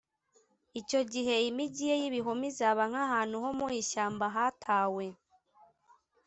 Icyo gihe imigi ye y ibihome izaba nk ahantu ho mu ishyamba hatawe